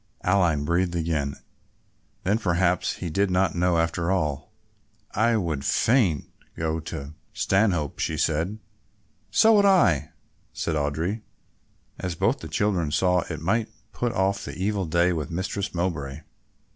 Aline breathed again. Then perhaps he did not know after all. "I would fain go to Stanhope," she said. "So would I," said Audry, as both the children saw that it might put off the evil day with Mistress Mowbray.